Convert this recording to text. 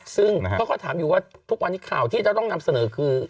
ซึ่งเขาก็ถามอยู่ว่าทุกวันนี้ข่าวที่จะต้องนำเสนอคือ